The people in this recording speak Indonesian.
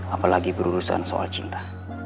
apalagi berurusan soal cinta